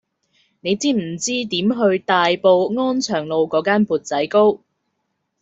你知唔知點去大埔安祥路嗰間缽仔糕